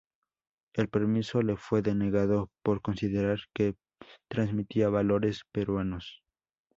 El permiso le fue denegado por considerar que transmitía valores peruanos.